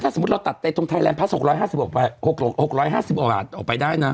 ถ้าสมมุติเราตัดตรงไทยแลนด์พัฒน์๖๕๐อาหารออกไปได้นะ